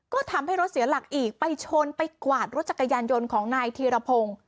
ก็ทำให้รถเสียหลักอีกไปชนไปกวาดรถจักรยานยนต์ของนายธีรพงศ์